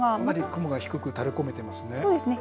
雲が低く垂れ込めていますね。